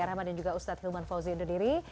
terima kasih juga ustadz ilman fauzi undur diri